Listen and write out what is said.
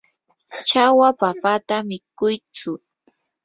chawa papata mikuytsu.